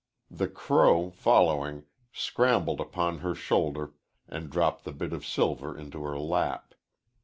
The crow, following, scrambled upon her shoulder and dropped the bit of silver into her lap.